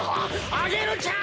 アゲルちゃん